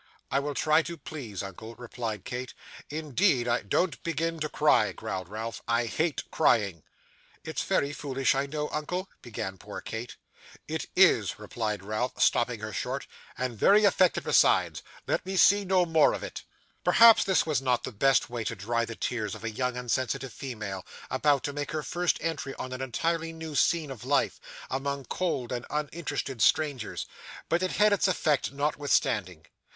'I will try to please, uncle,' replied Kate: 'indeed I ' 'Don't begin to cry,' growled Ralph; 'I hate crying.' 'It's very foolish, I know, uncle,' began poor Kate. 'It is,' replied Ralph, stopping her short, 'and very affected besides. Let me see no more of it.' Perhaps this was not the best way to dry the tears of a young and sensitive female, about to make her first entry on an entirely new scene of life, among cold and uninterested strangers; but it had its effect notwithstanding.